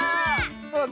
あ！